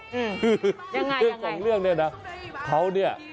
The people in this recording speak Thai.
เรื่องของเรื่องนี้นะเขาเนี่ย